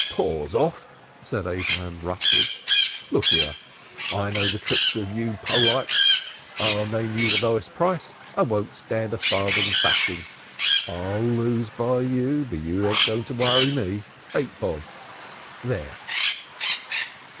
"Paws off!" said Abraham roughly. "Look here! I know the tricks of you Polakinties. I'll name you the lowest price and won't stand a farthing's bating. I'll lose by you, but you ain't, going to worry me. Eight bob! There!"